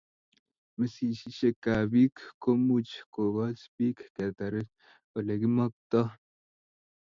mesisiishek ab piik ko much kokoch piik ketaret ole kimaktoi